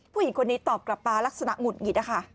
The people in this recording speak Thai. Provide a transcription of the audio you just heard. ผู้หญิงคนนี้ตอบกลับมาลักษณะหงุดหงิดนะคะ